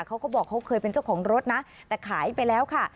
เขาก็บอกเขาเคยเป็นเจ้าของรถนะแต่ขายไปแล้วค่ะ